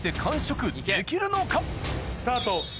スタート。